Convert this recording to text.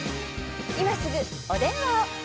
今すぐお電話を！